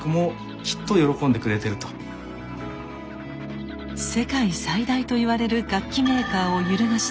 世界最大といわれる楽器メーカーを揺るがした黒歴史。